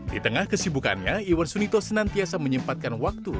di tengah kesibukannya iwan sunito senantiasa menyempatkan waktu